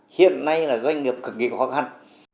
hiện nay là doanh nghiệp cực kỳ khó khăn